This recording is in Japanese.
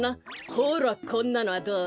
ほらこんなのはどう？